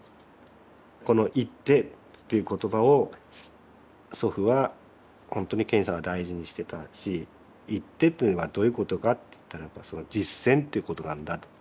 この「行ッテ」っていう言葉を祖父はほんとに賢治さんは大事にしてたし「行ッテ」っていうのはどういうことかって言ったらば実践っていうことなんだと。